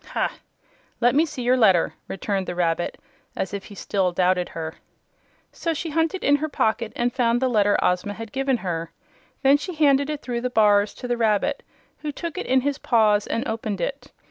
"Hum ha! Let me see your letter," returned the rabbit, as if he still doubted her. So she hunted in her pocket and found the letter Ozma had given her. Then she handed it through the bars to the rabbit, who took it in his paws and opened it.